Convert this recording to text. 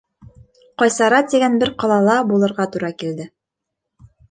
— Ҡайсара тигән бер ҡалала булырға тура килде.